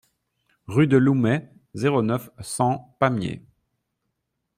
Rue de Loumet, zéro neuf, cent Pamiers